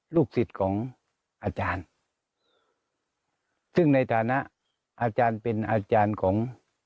ลูกศิษย์ของอาจารย์ซึ่งในฐานะอาจารย์เป็นอาจารย์ของ